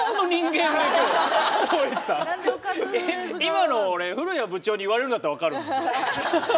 今の俺古谷部長に言われるんだったら分かるんです。